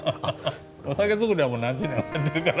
お酒造りはもう何十年もやってるから。